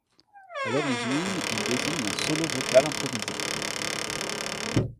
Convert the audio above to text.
À l'origine, il désigne un solo vocal improvisé.